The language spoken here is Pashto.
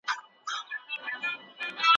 کوچني بې احتیاطۍ لوی زیان جوړوي.